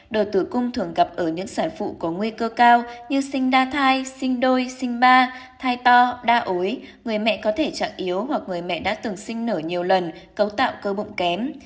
đợt tử cung thường gặp ở những sản phụ có nguy cơ cao như sinh đa thai sinh đôi sinh ba thai to đa ối người mẹ có thể trạng yếu hoặc người mẹ đã từng sinh nở nhiều lần cấu tạo cơ bụng kém